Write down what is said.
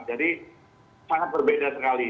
jadi sangat berbeda sekali